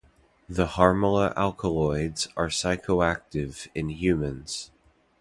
The harmala alkaloids are psychoactive in humans.